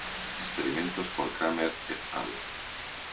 Experimentos por Cramer et al.